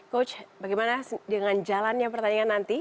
coach bagaimana dengan jalannya pertandingan nanti